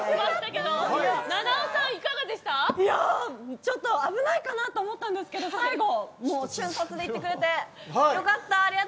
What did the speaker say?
ちょっと危ないかなと思ったんですけど最後、俊足で行ってくれてよかった。